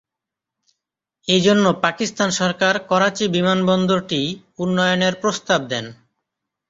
এই জন্য পাকিস্তান সরকার করাচি বিমান বন্দরটির উন্নয়নের প্রস্তাব দেন।